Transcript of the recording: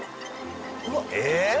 えっ？